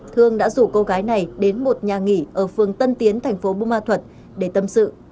thương đã rủ cô gái này đến một nhà nghỉ ở phương tân tiến thành phố bumma thuật để tâm sự